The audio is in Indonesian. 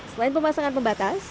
selain pemasangan pembatas